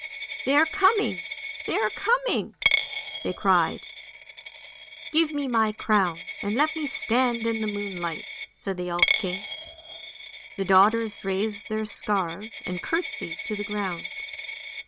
" They are coming, they are coming! " they cried. " Give me my crown, and let me stand in the moonlight," said the elf king. The daughters raised their scarves and curtseyed to the ground.